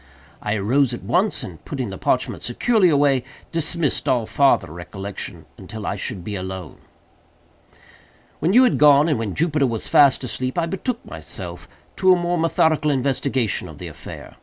I arose at once, and putting the parchment securely away, dismissed all farther reflection until I should be alone. "When you had gone, and when Jupiter was fast asleep, I betook myself to a more methodical investigation of the affair.